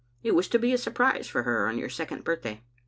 It was to be a surprise for her on your second birthday.